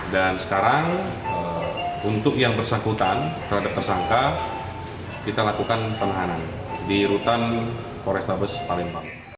dan sekarang untuk yang bersangkutan terhadap tersangka kita lakukan penahanan di rutan polrestabes palembang